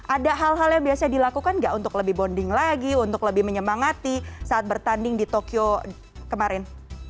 ada hal hal yang biasa dilakukan nggak untuk lebih bonding lagi untuk lebih menyemangati saat bertanding di tokyo kemarin